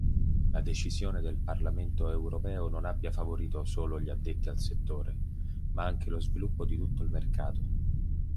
La decisione del Parlamento Europeo non abbia favorito solo gli addetti al settore, ma anche lo sviluppo di tutto il mercato.